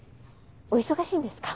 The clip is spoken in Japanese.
お忙しいんですか？